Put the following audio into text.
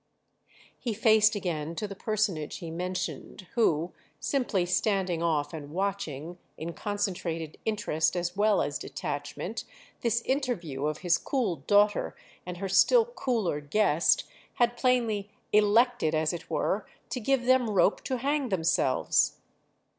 He faced again to the personage he mentioned, who, simply standing off and watching, in concentrated interest as well as detachment, this interview of his cool daughter and her still cooler guest, had plainly "elected," as it were, to give them rope to hang themselves.